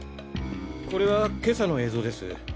これは今朝の映像です。